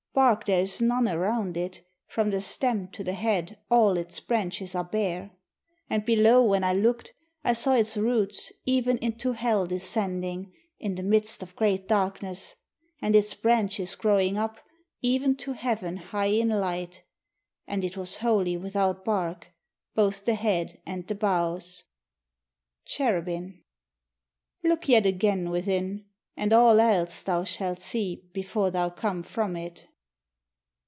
Bark there is none around it; From the stem to the head All its branches are bare. And below when I looked, I saw its roots Even into hell descending, In the midst of great darkness; And its branches growing up Even to heaven high in light. And it was wholly without bark, Both the head and the boughs. Cherubin Look yet again within, And all else thou shalt see Before thou come from it.